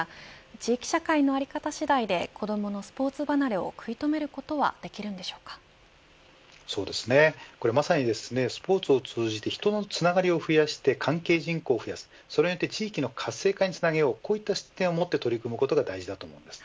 地域社会の在り方次第で子どものスポーツ離れを食い止めることはこれはまさにスポーツを通じて人のつながりを増やして関係人口を増やす地域の活性化につなげようといった視点を持って取り組むことが大事です。